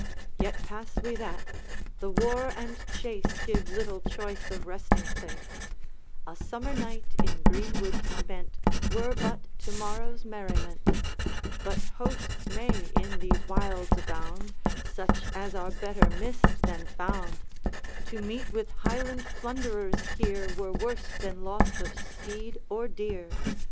Yet pass we that; the war and chase Give little choice of resting place; A summer night in greenwood spent Were but to morrow's merriment: But hosts may in these wilds abound, Such as are better missed than found; To meet with Highland plunderers here Were worse than loss of steed or deer.